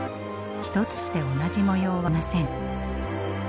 一つとして同じ模様はありません。